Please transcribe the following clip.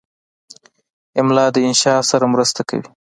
املا د انشا سره مرسته کوي.